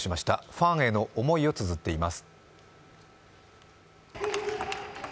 ファンへの思いをつづっています。